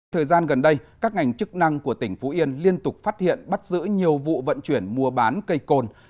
thời gian gần đây các ngành chức năng của tỉnh phú yên liên tục phát hiện bắt giữ nhiều vụ vận chuyển mua bán cây cồn